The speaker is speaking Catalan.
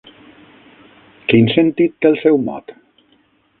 Quin sentit té el seu mot?